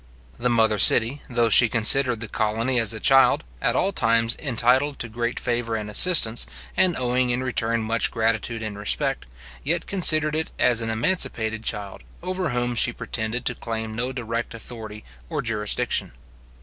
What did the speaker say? The mother city, though she considered the colony as a child, at all times entitled to great favour and assistance, and owing in return much gratitude and respect, yet considered it as an emancipated child, over whom she pretended to claim no direct authority or jurisdiction.